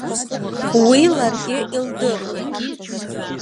Уи ларгьы илдыруеит.